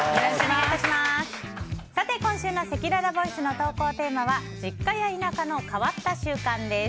今週のせきららボイスの投稿テーマは実家や田舎の変わった習慣です。